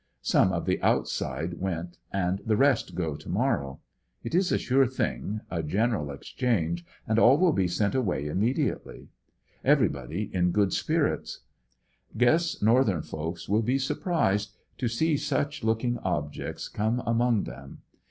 Some of the outside went and the rest go to mor row. It is a sure thing — a general exchange and all will be sent aw^ay immediately. Everybody in good spirits. Guess northern folks will be surprised to see such looking objects come among them.